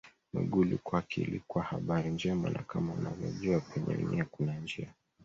Mwigulu kwake ilikuwa habari njema na kama unavyojua penye nia kuna njia